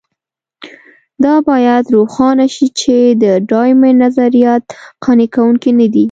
دا باید روښانه شي چې د ډایمونډ نظریات قانع کوونکي نه دي.